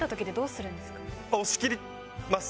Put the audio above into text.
押し切ります。